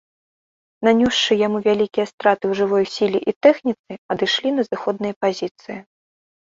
Нанёсшы яму вялікія страты ў жывой сіле і тэхніцы, адышлі на зыходныя пазіцыі.